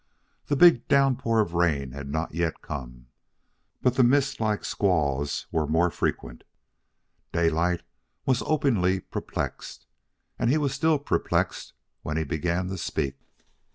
The big downpour of rain had not yet come, but the mist like squalls were more frequent. Daylight was openly perplexed, and he was still perplexed when he began to speak.